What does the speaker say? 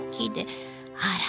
あら！